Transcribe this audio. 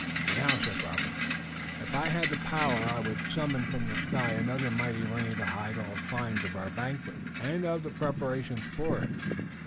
"And now," said Robert, "if I had the power I would summon from the sky another mighty rain to hide all signs of our banquet and of the preparations for it.